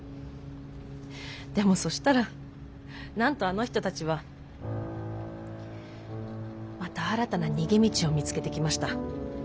でもそしたらなんとあの人たちはまた新たな逃げ道を見つけてきました。